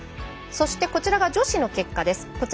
そしてこちらが女子の結果です。